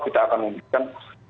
kita akan memberikan